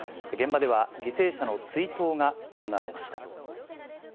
現場では犠牲者の追悼が行われました。